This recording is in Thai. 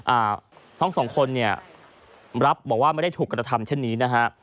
อ่าทั้งสองคนเนี่ยรับบอกว่าไม่ได้ถูกกระทำเช่นนี้นะฮะ